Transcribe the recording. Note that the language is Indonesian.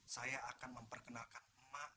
saya akan memperkenalkan mak